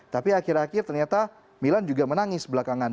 tapi akhir akhir ternyata milan juga menangis belakangan